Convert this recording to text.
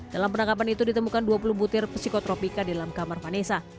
dalam penangkapan itu ditemukan dua puluh butir psikotropika di dalam kamar vanessa